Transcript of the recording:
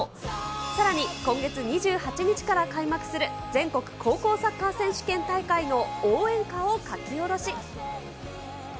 さらに今月２８日から開幕する、全国高校サッカー選手権大会の応援歌を書き下ろし。